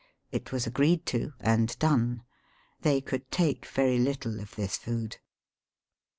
It was agreed to, and done. They could take very little of this food.